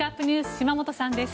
島本さんです。